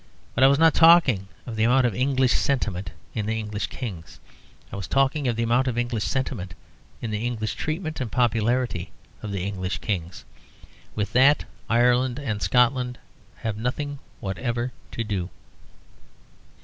But I was not talking of the amount of English sentiment in the English Kings. I was talking of the amount of English sentiment in the English treatment and popularity of the English Kings. With that Ireland and Scotland have nothing whatever to do.